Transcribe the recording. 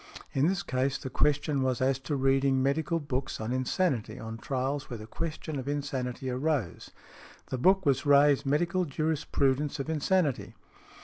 In this case the question was as to reading medical books on insanity on trials where the question of insanity arose; the book was Ray's "Medical Jurisprudence of Insanity."